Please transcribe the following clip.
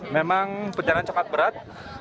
memang perjalanan sangat berat